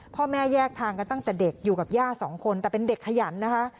พ่อแม่แยกทางกันตั้งแต่เด็กอยู่กับย่าสองคนแต่เป็นเด็กขยันนะคะ